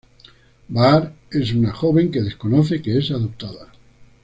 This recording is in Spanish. Bahar es una joven que desconoce que es adoptada.